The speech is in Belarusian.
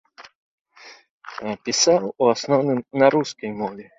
Пісаў у асноўным на рускай мове.